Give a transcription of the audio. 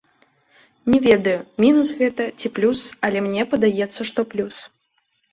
Не ведаю, мінус гэта ці плюс, але мне падаецца, што плюс.